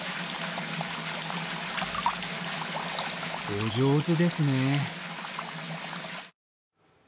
お上手ですね。